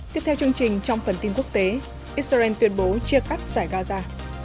tiếp theo chương trình trong phần tin quốc tế israel tuyên bố chia cắt giải gaza